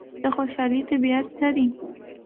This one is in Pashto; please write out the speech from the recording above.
د خوشحالۍ طبیعت څه دی؟